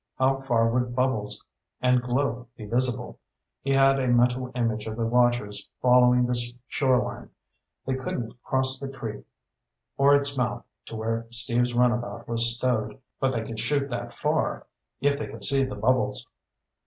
How far would bubbles and glow be visible? He had a mental image of the watchers following the shoreline. They couldn't cross the creek or its mouth to where Steve's runabout was stowed, but they could shoot that far, if they could see the bubbles.